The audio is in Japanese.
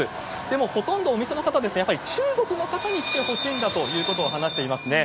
でもほとんどお店の方、やっぱり中国の方に来てほしいんだということを話していますね。